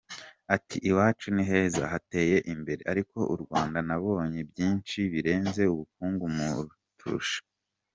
Ati “Iwacu ni heza, hateye imbere ariko u Rwanda nabonye byinshi birenze ubukungu muturusha.